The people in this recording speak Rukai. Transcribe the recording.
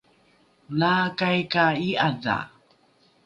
olaakai ka i’adha